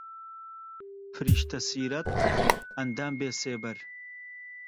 فریشتە سیرەت، ئەندام بێسێبەر